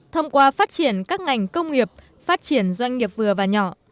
thông qua phát triển các ngành công nghiệp phát triển doanh nghiệp vừa và nhỏ